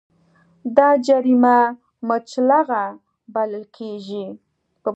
دا جریمه مچلغه بلل کېږي په پښتو ژبه.